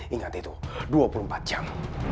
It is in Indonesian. ingat itu dua puluh empat jam